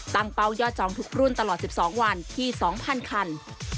เป้ายอดจองทุกรุ่นตลอด๑๒วันที่๒๐๐คัน